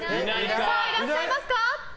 いらっしゃいますか？